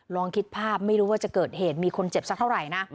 ลองคิดภาพไม่รู้ว่าจะเกิดเหตุมีคนเจ็บสักเท่าไหร่นะ